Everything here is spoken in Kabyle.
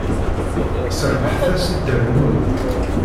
Serrḥemt-as-d i Dda Lmulud.